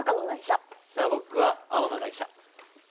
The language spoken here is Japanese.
じゃあ僕は青の台車。